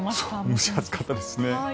蒸し暑かったですね。